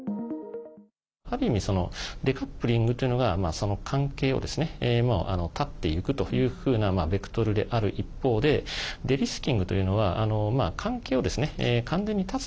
ある意味デカップリングというのがその関係を断っていくというふうなベクトルである一方でデリスキングというのは関係を完全に断つ